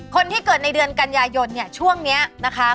คนที่เกิดในเดือนกัญญาโยนช่วงนี้นะคะ